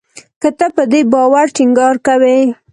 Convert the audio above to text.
که ته په دې باور ټینګار کوې